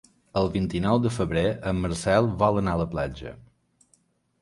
El vint-i-nou de febrer en Marcel vol anar a la platja.